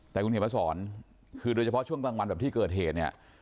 แต่คุณเห็นมาสอนคือโดยเฉพาะช่วงกลางวันแบบที่เกิดเหตุเนี่ย